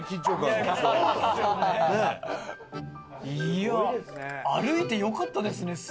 いや歩いてよかったですね。